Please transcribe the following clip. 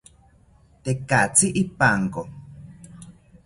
Tekatzi ipanko